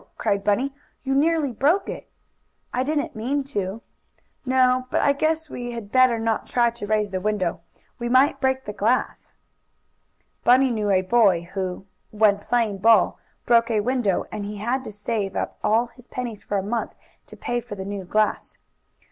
cried Bunny. "You nearly broke it." "I didn't mean to." "No. But I guess we'd better not try to raise the window. We might break the glass." Bunny knew a boy who, when playing ball, broke a window, and he had to save up all his pennies for a month to pay for the new glass.